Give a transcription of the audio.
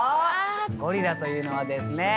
ゴリラというのはですね